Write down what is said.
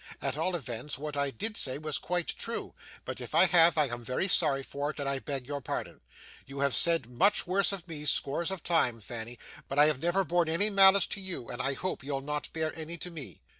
At all events, what I did say was quite true; but if I have, I am very sorry for it, and I beg your pardon. You have said much worse of me, scores of times, Fanny; but I have never borne any malice to you, and I hope you'll not bear any to me.